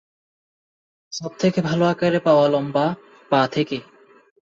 সবথেকে ভালো আকারে পাওয়া লম্বা, পা থেকে